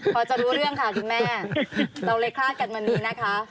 พอจะรู้เรื่องค่ะคุณแม่เราเลยคลาดกันวันนี้นะคะ